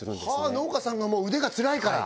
農家さんが腕がつらいから。